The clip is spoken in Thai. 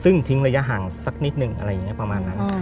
ซึ่งทิ้งระยะห่างสักนิดนึงอะไรอย่างนี้ประมาณนั้น